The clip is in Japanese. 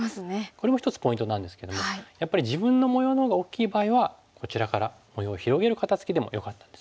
これも一つポイントなんですけどもやっぱり自分の模様のほうが大きい場合はこちらから模様を広げる肩ツキでもよかったんですね。